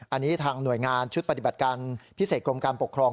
อันนี้ทางหน่วยงานชุดปฏิบัติการพิเศษกรมการปกครอง